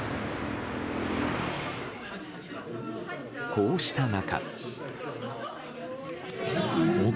こうした中。